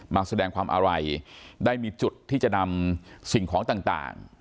มาแสดงความอาลัยได้มีจุดที่จะนำสิ่งของต่าง